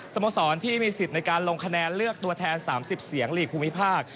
โมสรที่มีสิทธิ์ในการลงคะแนนเลือกตัวแทน๓๐เสียงหลีกภูมิภาค